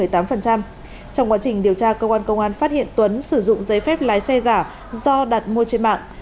trong quá trình điều tra cơ quan công an phát hiện tuấn sử dụng giấy phép lái xe giả do đặt mua trên mạng